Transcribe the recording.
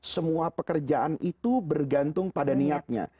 semua pekerjaan itu bergantung pada niatnya